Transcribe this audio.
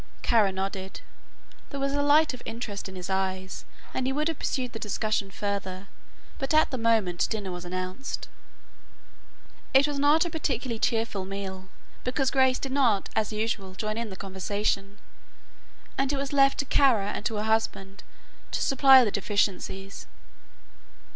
Kara nodded. There was the light of interest in his eyes and he would have pursued the discussion further, but at the moment dinner was announced. It was not a particularly cheerful meal because Grace did not as usual join in the conversation, and it was left to Kara and to her husband to supply the deficiencies.